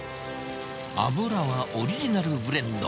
油はオリジナルブレンド。